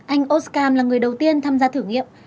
anh oscam là người đầu tiên tham gia thử nghiệm